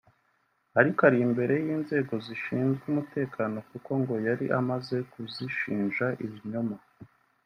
ariko ari imbere y’inzego zishinzwe umutekano kuko ngo yari amaze kuzishinja ibinyoma